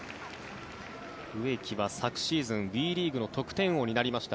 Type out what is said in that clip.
植木は昨シーズンＷＥリーグの得点王になりました